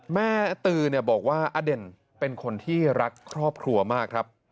แม่ตือเนี่ยบอกว่าอเด่นเป็นคนที่รักครอบครัวมากครับ